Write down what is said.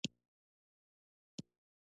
د نړۍ ډېر لوړ ځړوی په کوم هېواد کې دی؟